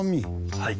はい。